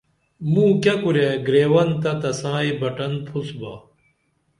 موں کیہ کُرے گریون تہ تسائی بٹن پُھسبا